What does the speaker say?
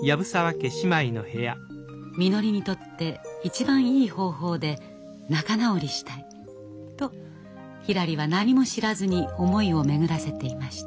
みのりにとって一番いい方法で仲直りしたいとひらりは何も知らずに思いを巡らせていました。